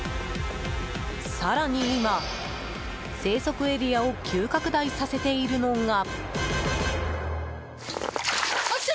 更に今、生息エリアを急拡大させているのが。